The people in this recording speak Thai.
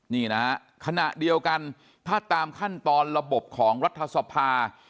นี่นะขณะเดียวกันถ้าตามขั้นตอนระบบของรัฐสภา